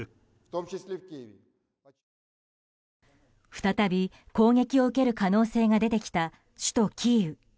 再び攻撃を受ける可能性が出てきた首都キーウ。